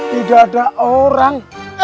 tidak ada orang